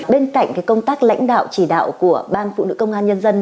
bên cạnh công tác lãnh đạo chỉ đạo của ban phụ nữ công an nhân dân